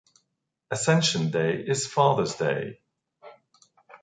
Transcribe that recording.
Ascension Day is Father’s Day.